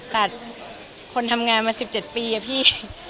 ตัดคนทำงานมา๑๗ปีอะพี่